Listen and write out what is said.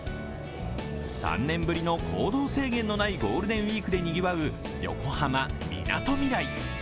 ３年ぶりの行動制限のないゴールデンウイークでにぎわう横浜・みなとみらい。